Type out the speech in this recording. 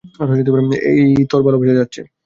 এই, তোর ভালোবাসা যাচ্ছে।